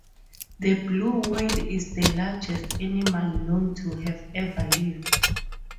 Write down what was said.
The blue whale is the largest animal known to have ever lived.